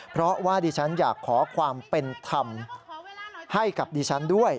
เพราะว่าดิฉันอยากขอความเป็นธรรมให้กับดิฉันด้วย